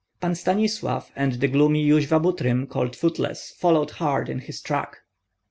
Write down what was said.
Pan Stanislav and the gloomy Yuzva Butrym, called Footless, followed hard in his track.